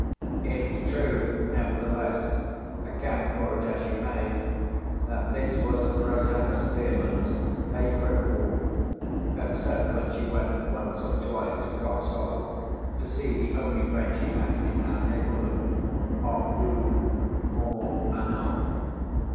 It's true, nevertheless, account for it as you may, that this was Rosanna Spearman's favourite walk, except when she went once or twice to Cobb's Hole, to see the only friend she had in our neighbourhood, of whom more anon.